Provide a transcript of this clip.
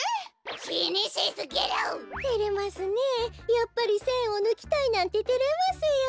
やっぱりせんをぬきたいなんててれますよ。